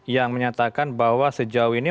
yang menyatakan bahwa sejauh ini